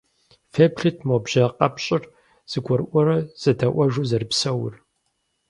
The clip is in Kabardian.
Феплъыт, мо бжьэ къэпщӀыр зэгурыӀуэрэ зэдэӀуэжу зэрыпсэур.